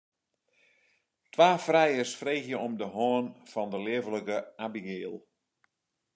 Twa frijers freegje om de hân fan de leaflike Abigail.